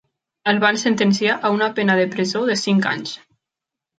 El van sentenciar a una pena de presó de cinc anys.